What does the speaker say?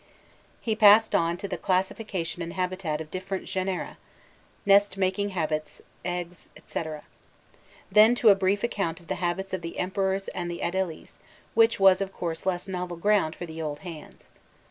He passed on to the classification and habitat of different genera, nest making habits, eggs, &c. Then to a brief account of the habits of the Emperors and Adelies, which was of course less novel ground for the old hands.